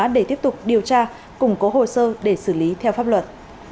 để tiếp tục điều tra củng cố hồ sơ để xử lý theo pháp luật